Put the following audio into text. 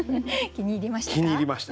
気に入りました。